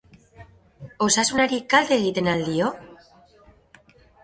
Osasunari kalte egiten al dio?